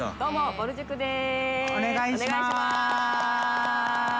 「ぼる塾です」